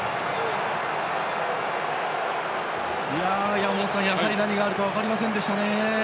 山本さん、やはり何があるか分かりませんでしたね。